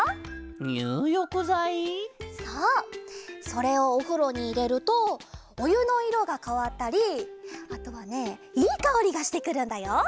それをおふろにいれるとおゆのいろがかわったりあとはねいいかおりがしてくるんだよ。